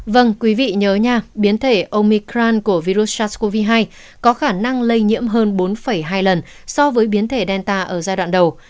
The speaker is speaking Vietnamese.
vâng quý vị nhớ nha biến thể omicran của virus sars cov hai có khả năng lây nhiễm hơn bốn hai lần so với biến thể delta ở giai đoạn đầu